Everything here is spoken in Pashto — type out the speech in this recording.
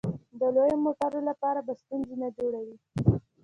د لویو موټرو لپاره به ستونزې نه جوړوې.